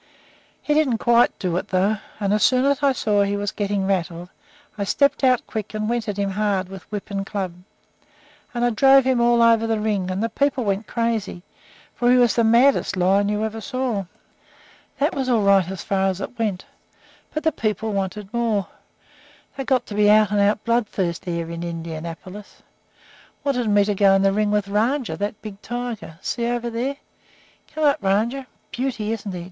He didn't quite do it, though; and as soon as I saw he was getting rattled I stepped out quick and went at him hard with whip and club. And I drove him all over the ring, and the people went crazy, for he was the maddest lion you ever saw. "That was all right as far as it went, but the people wanted more. They got to be out and out bloodthirsty there in Indianapolis. Wanted me to go in the ring with Rajah, that big tiger. See, over there! Come up, Rajah. Beauty, isn't he?